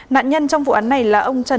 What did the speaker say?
nạn nhân trong vụ án này là ông trần